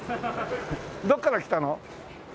どこから来たの？